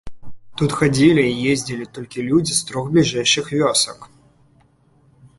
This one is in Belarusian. Тут хадзілі і ездзілі толькі людзі з трох бліжэйшых вёсак.